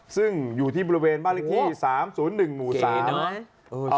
ซึ่งอยู่ที่บริเวณบ้านที่สามศูนย์หนึ่งหมู่สาม